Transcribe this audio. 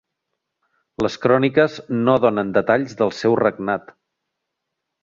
Les cròniques no donen detalls del seu regnat.